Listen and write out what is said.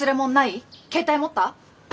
携帯持った？